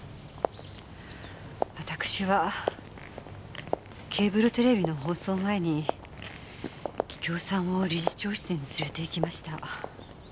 わたくしはケーブルテレビの放送前に桔梗さんを理事長室に連れて行きました。